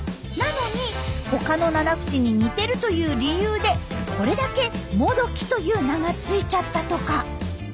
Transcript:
なのに他のナナフシに似てるという理由でこれだけ「モドキ」という名が付いちゃったとか。